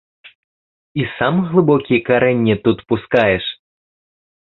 І сам глыбокія карэнні тут пускаеш?